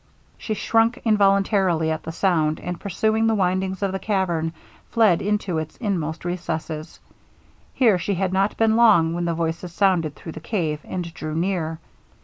She shrunk involuntarily at the sound, and pursuing the windings of the cavern, fled into its inmost recesses. Here she had not been long when the voices sounded through the cave, and drew near.